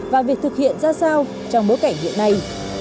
và việc thực hiện ra sao trong bối cảnh hiện nay